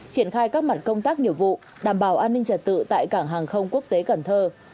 triển khai các mặt công tác nhiệm vụ đảm bảo an ninh trật tự tại cảng hàng không quốc tế cần thơ